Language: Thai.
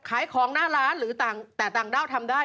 ๑๘ขายของหน้าร้านหรือแต่ต่างด้าวด์ทำได้